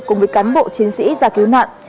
cùng với cán bộ chiến sĩ ra cứu nạn